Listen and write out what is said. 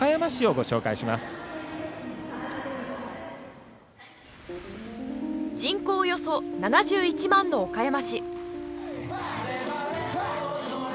およそ７１万の岡山市。